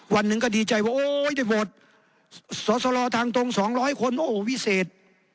วันหนึ่งก็ดีใจว่าโอ๊ยได้โหวตสอสลอทางตรง๒๐๐คนโอ้โหวิเศษ